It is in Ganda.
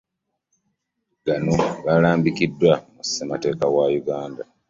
Gano galambikiddwa mu Ssemateeka wa Uganda.